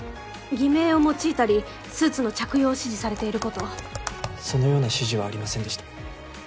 偽名を用いたりスーツの着用を指示さそのような指示はありませんでした。